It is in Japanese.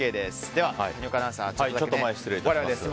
では、谷岡アナウンサーちょっとだけ我々で。